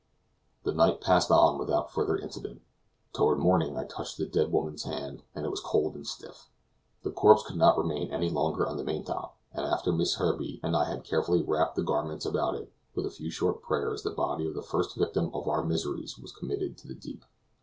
The night passed on without further incident. Toward morning I touched the dead woman's hand, and it was cold and stiff. The corpse could not remain any longer on the main top, and after Miss Herbey and I had carefully wrapped the garments about it, with a few short prayers the body of the first victim of our miseries was committed to the deep.